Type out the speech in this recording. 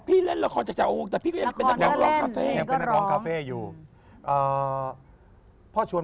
พี่เล่นละครจากหวก